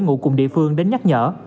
ngủ cùng địa phương đến nhắc nhở